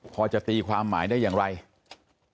พอจะฝจกับตอนคุณฮี่ไทยศาติของบอกว่า